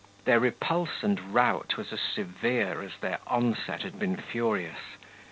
Their repulse and rout was as severe as their onset had been furious.